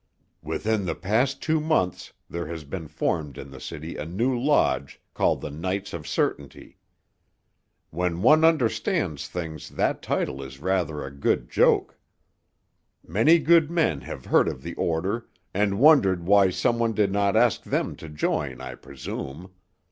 "Within the past two months there has been formed in the city a new lodge called the Knights of Certainty. When one understands things that title is rather a good joke. Many good men have heard of the order and wondered why some one did not ask them to join, I presume.